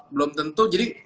belum tentu jadi